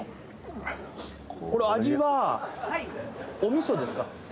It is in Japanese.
これ味はお味噌ですか？